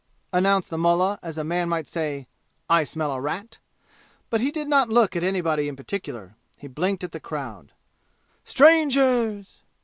announced the mullah, as a man might say, "I smell a rat!" But he did not look at anybody in particular; he blinked at the crowd. "Strangers!"